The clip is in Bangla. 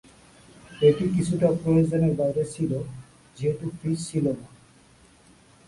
এটি কিছুটা প্রয়োজনের বাইরে ছিল যেহেতু ফ্রিজ ছিলনা।